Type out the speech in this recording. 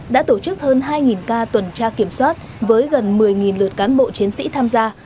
đã tổ chức hơn hai ca tuần tra kiểm soát với gần một mươi lượt cán bộ chiến sĩ tham gia